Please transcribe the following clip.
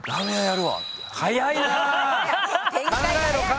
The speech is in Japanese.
早いなぁ。